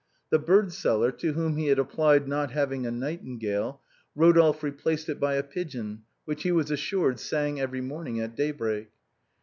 The birdseller to whom he had EOMEO AND JULIET. 301 applied not having a nightingale, Rodolphe replaced it by a pigeon, which he was assured sang every morning at day break.